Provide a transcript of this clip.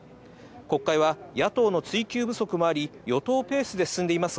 国会は野党の追及不足もあり、与党ペースで進んでいます。